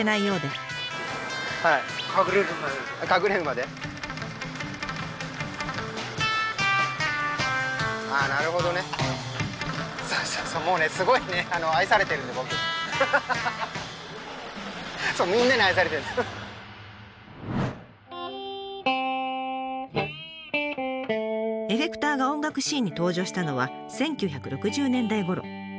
エフェクターが音楽シーンに登場したのは１９６０年代ごろ。